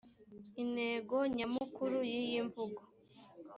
intego nyamukuru y iyi mvugo